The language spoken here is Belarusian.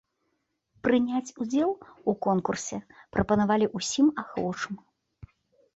Прыняць удзел у конкурсе прапанавалі ўсім ахвочым.